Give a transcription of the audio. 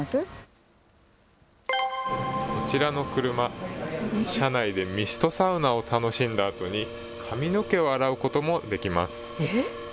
こちらの車、車内でミストサウナを楽しんだあとに、髪の毛を洗うこともできまえっ？